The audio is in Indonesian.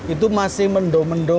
itu masih mendo mendo